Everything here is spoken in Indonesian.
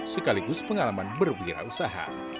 sekaligus pengalaman berwirausaha